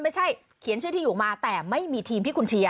ไม่ใช่เขียนชื่อที่อยู่มาแต่ไม่มีทีมที่คุณเชียร์